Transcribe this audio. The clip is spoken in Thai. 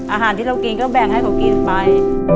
อาหารที่เรากินก็แบ่งให้เขากินไป